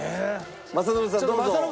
政伸さんどうぞ。